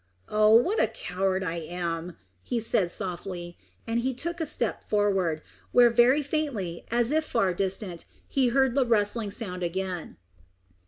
"Oh, what a coward I am!" he said softly; and he took a step forward, where very faintly, as if far distant, he heard the rustling sound again.